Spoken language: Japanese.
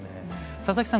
佐々木さん